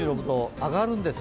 上がるんです。